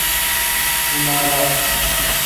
ایمارا